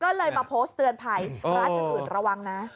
ก็เลยมาโพสต์เตือนภัยร้านอื่นระวังนะ